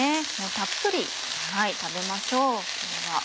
たっぷり食べましょう。